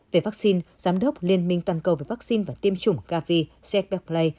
về vắc xin giám đốc liên minh toàn cầu về vắc xin và tiêm chủng gavi sepepley